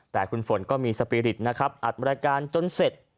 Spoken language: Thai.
แต่คุณฝนก็มีสปีฤทธิ์อัดบริการจนเสร็จ